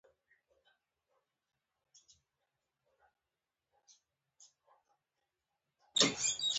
خو وږی نس خامخا د ماتې لامل کېدای شي.